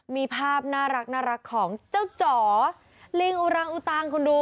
มีภาพน่ารักของเจ้าจ๋อลิงอุรังอุตังคุณดู